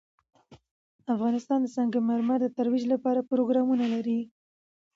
افغانستان د سنگ مرمر د ترویج لپاره پروګرامونه لري.